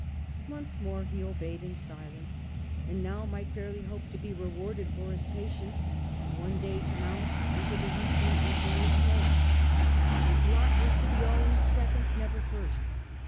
Once more he obeyed in silence, and now might fairly hope to be rewarded for his patience and one day to mount into the weakly Emperor's place. But his lot was to be always second, never first.